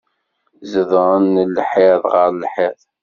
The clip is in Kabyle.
Zedɣen lhiḍ ɣer lhiḍ.